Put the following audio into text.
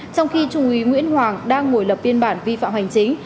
trong khi trung úy nguyễn hoàng đang ngồi lập biên bản vi phạm hành chính